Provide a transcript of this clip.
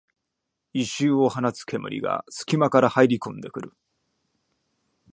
異臭を放つ煙がすき間から入りこんでくる